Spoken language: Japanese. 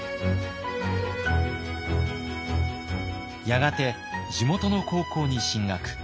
やがて地元の高校に進学。